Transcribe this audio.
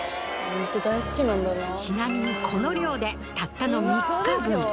ちなみにこの量でたったの３日分！